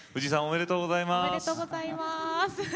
おめでとうございます。